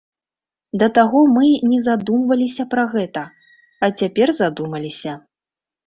Да таго мы не задумваліся пра гэта, а цяпер задумаліся.